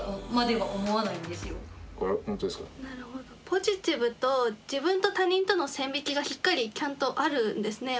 ポジティブと自分と他人との線引きがしっかりちゃんとあるんですね